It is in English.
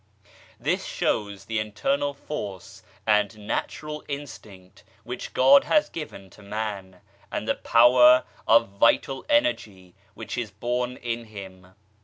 This shows the internal force and natural instinct which God .has given to Man, and the power of vital energy which is born in him.